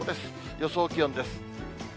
予想気温です。